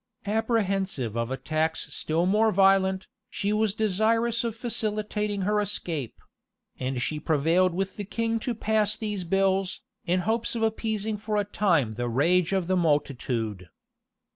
[*] Apprehensive of attacks still more violent, she was desirous of facilitating her escape; and she prevailed with the king to pass these bills, in hopes of appeasing for a time the rage of the multitude.